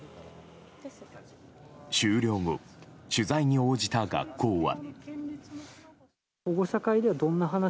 終了後、取材に応じた学校は。